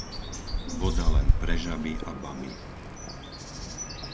Voda len pre žaby a baby.